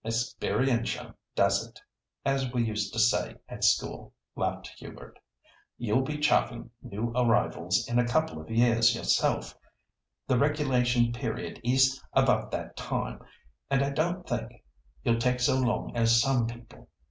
"'Experientia does it,' as we used to say at school," laughed Hubert. "You'll be chaffing new arrivals in a couple of years yourself. The regulation period is about that time, and I don't think you'll take so long as some people."